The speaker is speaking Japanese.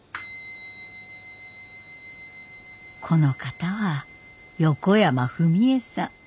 この方は横山フミエさん。